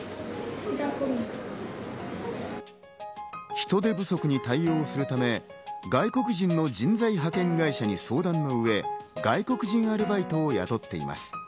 人手不足に対応するため、外国人の人材派遣会社に相談の上、外国人アルバイトを雇っています。